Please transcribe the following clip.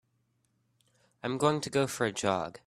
I'm going to go for a jog.